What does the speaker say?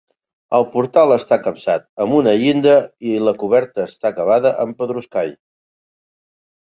El portal està capçat amb una llinda i la coberta està acabada amb pedruscall.